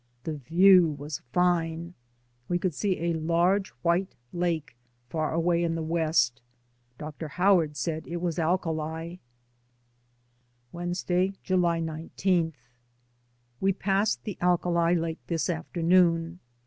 The view was fine ; we could see a large white lake far away to the west. Dr. Howard said it was alkali. 158 DAYS ON THE ROAD. Wednesday, July 19. We passed the alkali lake this afternoon.